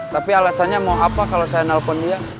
tapi alasannya mau apa kalau saya nelpon dia